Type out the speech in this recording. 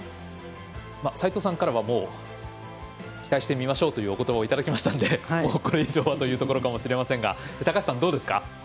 齋藤さんからは期待して見ましょうというおことばをいただきまいたのでこれ以上はというところかもしれませんが高橋さん、どうですか？